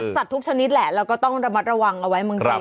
อัศจรรย์ทุกชนิดแหละเราก็ต้องระมัดระวังเอาไว้มึงเลย